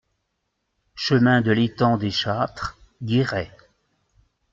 Chemin de L'Etang des Châtres, Guéret